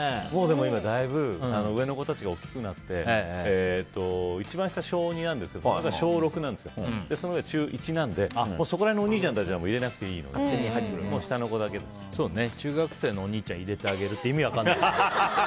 だいぶ上の子たちが大きくなって一番下は小２なんですがその上が小６でその上が中１なのでそこら辺のお兄ちゃんたちは入れなくていいので中学生のお兄ちゃん入れてあげるって意味分からないですからね。